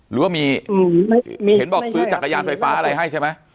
หรือว่ามีเห็นบอกซื้อจักรยานไฟฟ้าอะไรให้ใช่ไหม